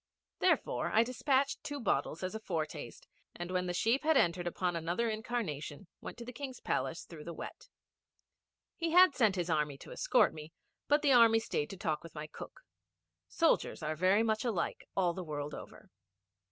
Therefore, I despatched two bottles as a foretaste, and when the sheep had entered upon another incarnation went to the King's Palace through the wet. He had sent his army to escort me, but the army stayed to talk with my cook. Soldiers are very much alike all the world over.